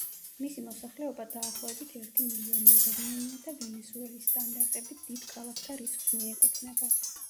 მისი მოსახლეობა დაახლოებით ერთი მილიონი ადამიანია და ვენესუელის სტანდარტებით დიდ ქალაქთა რიცხვს მიეკუთვნება.